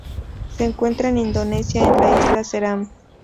Se encuentra en Indonesia en la isla Ceram.